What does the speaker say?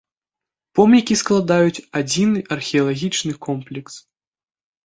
Помнікі складаюць адзіны археалагічны комплекс.